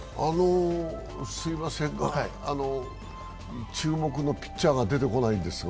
すみませんが、注目のピッチャーが出てこないんですが。